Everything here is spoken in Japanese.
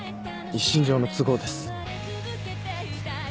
一身上の都合です。